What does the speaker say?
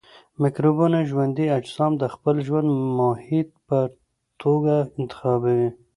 مکروبونه ژوندي اجسام د خپل ژوند محیط په توګه انتخابوي.